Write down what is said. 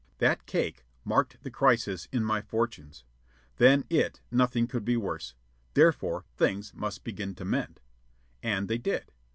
That cake marked the crisis in my fortunes. Than it nothing could be worse; therefore things must begin to mend. And they did.